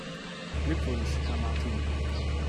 Glückwunsch, Herr Martin.